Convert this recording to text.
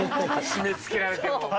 締めつけられて。